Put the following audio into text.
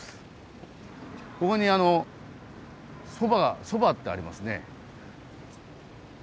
ここにあのそばってありますね。